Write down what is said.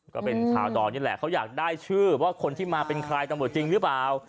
ก็เป็นชาวดอนนี่แหละเขาอยากได้ชื่อว่าคนที่มาเป็นใครตำรวจจริงหรือเปล่า